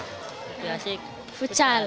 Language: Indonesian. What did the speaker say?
lebih asik futsal